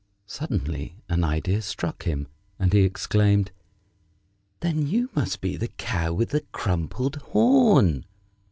Suddenly an idea struck him, and he exclaimed: "Then you must be the Cow with a crumpled horn!"